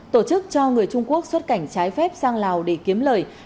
tổ chức cho người trung quốc xuất cảnh trái phép sang lào để kiếm lời